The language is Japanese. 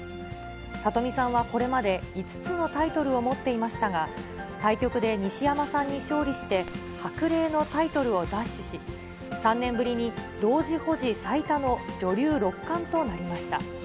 里見さんはこれまで５つのタイトルを持っていましたが、対局で西山さんに勝利して、白玲のタイトルを奪取し、３年ぶりに同時保持最多の女流六冠となりました。